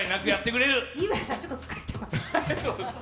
井浦さん、ちょっと疲れてます？